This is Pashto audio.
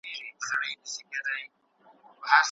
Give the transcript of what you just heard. باید هغه کسان هڅول شي چې علم ترلاسه کړي.